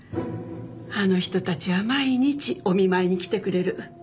あの人たちは毎日お見舞いに来てくれる。